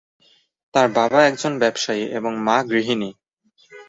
তার বাবা একজন ব্যবসায়ী এবং মা গৃহিণী।